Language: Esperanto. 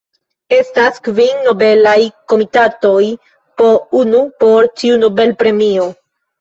Estas kvin Nobelaj Komitatoj, po unu por ĉiu Nobel-premio.